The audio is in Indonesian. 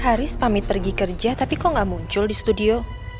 haris pamit pergi kerja tapi kok gak muncul di studio